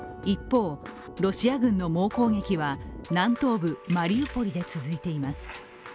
一方、ロシア軍の猛攻撃は南東部マリウポリで続いています。